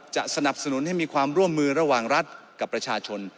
สนับสนุนให้มีความร่วมมือระหว่างรัฐกับประชาชน